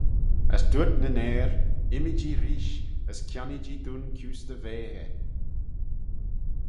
As dooyrt nyn ayr, Immee-jee reesht, as kionnee-jee dooin kuse dy veaghey.